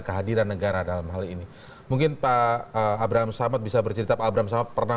kehadiran negara dalam hal ini mungkin pak abraham samad bisa bercerita pak abraham samad pernah